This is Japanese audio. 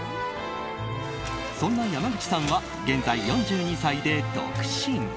そんな山口さんは現在４２歳で独身。